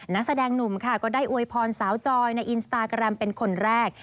นักแสดงหนุ่มค่ะก็ได้อวยพรสาวจอยในอินสตาแกรมเป็นคนแรก